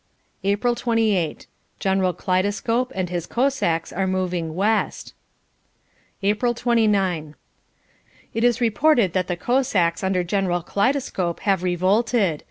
April 28. General Kaleidescope and his Cossacks are moving west. April 29. It is reported that the Cossacks under General Kaleidescope have revolted.